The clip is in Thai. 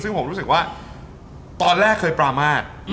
ซึ่งผมรู้สึกว่าตอนแรกเคยปรามาท